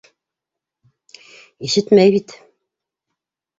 Ишетмәй бит!